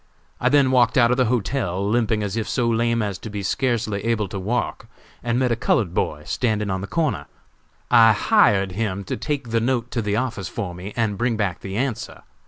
I then walked out of the hotel, limping as if so lame as to be scarcely able to walk, and met a colored boy standing on the corner. I hired him to take the note to the office for me and bring back the answer.